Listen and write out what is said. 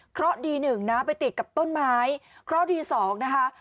เพราะดีหนึ่งนะไปติดกับต้นไม้เคราะห์ดีสองนะคะ